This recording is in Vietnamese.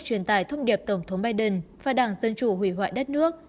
truyền tải thông điệp tổng thống biden và đảng dân chủ hủy hoại đất nước